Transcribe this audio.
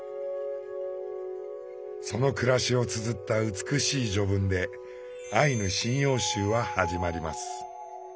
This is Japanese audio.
その暮らしをつづった美しい序文で「アイヌ神謡集」は始まります。